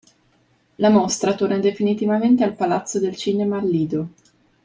La Mostra torna definitivamente al Palazzo del Cinema al Lido.